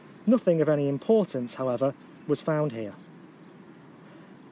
Nothing of any importance, however, was found here.